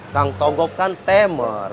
kang togok kan temer